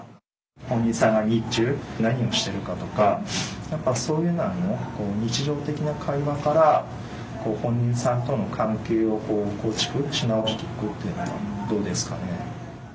本人さんが日中何をしてるかとかやっぱそういうなんを日常的な会話から本人さんとの関係を構築し直していくっていうのはどうですかね？